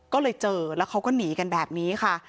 ก็เลยเจอแล้วเขาก็หนีกันแบบนี้ค่ะ